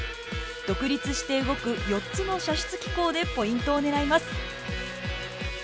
独立して動く４つの射出機構でポイントを狙います。